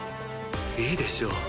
いいでしょう